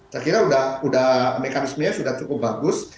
saya kira sudah mekanismenya sudah cukup bagus